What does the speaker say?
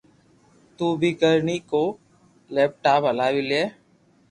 تو ھون بي ڪرو ني ڪو ليپ ٽام ھلاوي ليو